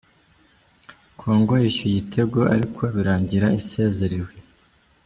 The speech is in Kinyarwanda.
Congo yishyuye igitego, ariko birangira isezerewe